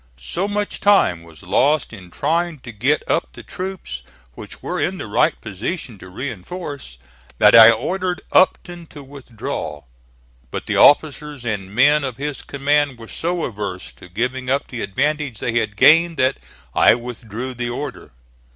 So much time was lost in trying to get up the troops which were in the right position to reinforce, that I ordered Upton to withdraw; but the officers and men of his command were so averse to giving up the advantage they had gained that I withdrew the order.